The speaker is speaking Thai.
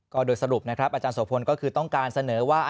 ก็โดยสรุปนะครับอาจารย์โสพลก็คือต้องการเสนอว่า